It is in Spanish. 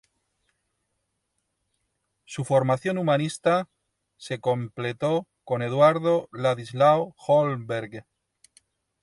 Su formación humanista se completó con Eduardo Ladislao Holmberg.